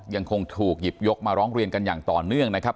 ยังคงถูกหยิบยกมาร้องเรียนกันอย่างต่อเนื่องนะครับ